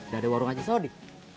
dari warung aji sodi